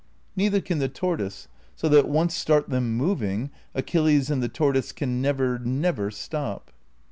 Neither can the tortoise, so that, once start them moving, Achilles and the tortoise can never, never stop.